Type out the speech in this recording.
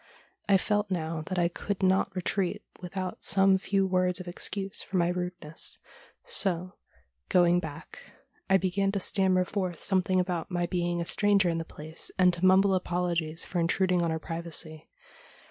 I felt now that I could not retreat without some few words of excuse for my rudeness, so, going back, I began to stammer forth something about my being a stranger in the place, and to mumble apolo gies for intruding on her privacy.